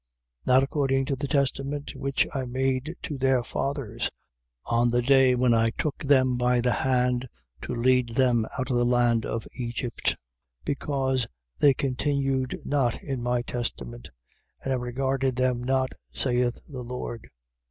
Not according to the testament which I made to their fathers, on the day when I took them by the hand to lead them out of the land of Egypt: because they continued not in my testament: and I regarded them not, saith the Lord.